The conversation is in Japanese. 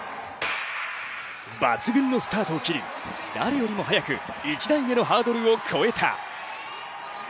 抜群のスタートを切り誰よりも早く１台目のハードルを越えた。